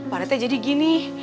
pak r t jadi gini